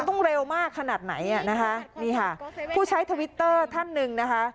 ต้องเร็วมากขนาดไหนอ่ะนะคะนี่ค่ะผู้ใช้ทวิตเตอร์ท่านหนึ่งนะคะ